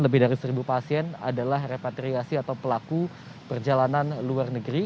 lebih dari seribu pasien adalah repatriasi atau pelaku perjalanan luar negeri